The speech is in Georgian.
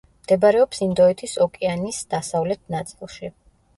მდებარეობს ინდოეთის ოკეანის დასავლეთ ნაწილში.